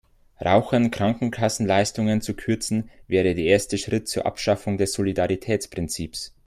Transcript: Rauchern Krankenkassenleistungen zu kürzen, wäre der erste Schritt zur Abschaffung des Solidaritätsprinzips.